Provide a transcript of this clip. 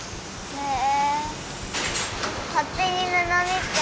へえ。